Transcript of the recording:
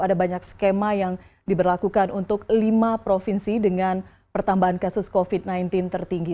ada banyak skema yang diberlakukan untuk lima provinsi dengan pertambahan kasus covid sembilan belas tertinggi